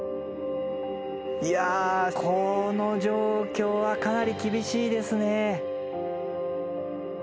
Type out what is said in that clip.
いやこの状況はかなり厳しいですね。